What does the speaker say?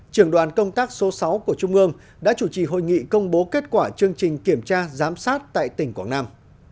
trường đoàn công tác số sáu của trung ương đã chủ trì hội nghị công bố kết quả chương trình kiểm tra giám sát tại tỉnh quảng nam